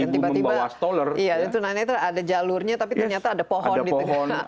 tiba tiba tunanetra ada jalurnya tapi ternyata ada pohon di teguh